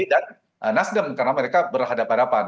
dan nasdem karena mereka berhadapan hadapan